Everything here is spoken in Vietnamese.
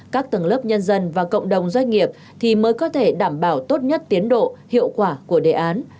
các tầng lớp nhân dân và cộng đồng doanh nghiệp thì mới có thể đảm bảo tốt nhất tiến độ hiệu quả của đề án